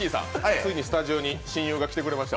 ついにスタジオに親友がやってきてくれました。